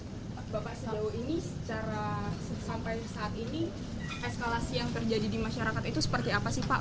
bapak selalu ini secara sampai saat ini eskalasi yang terjadi di masyarakat itu seperti apa sih pak